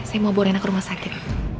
saya mau bawa rena ke rumah sakit